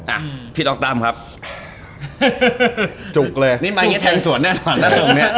อ่ะผิดออกตามครับจุกเลยนี่มายเงียดแทนส่วนแน่นอนแล้วตรงเนี้ย